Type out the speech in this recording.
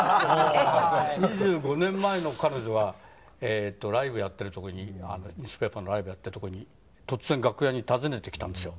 ２５年前の彼女がライブやっているとこにニュースペーパーのライブやっているとこに突然楽屋に訪ねてきたんですよ。